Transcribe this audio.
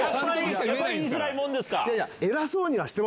やっぱり言いづらいもんですか？